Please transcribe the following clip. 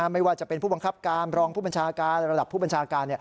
ไม่ว่าจะเป็นผู้บังคับการรองผู้บัญชาการระดับผู้บัญชาการ